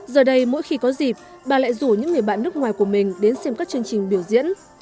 giờ đây mỗi khi có dịp bà lại rủ những người bạn nước ngoài của mình đến xem các chương trình biểu diễn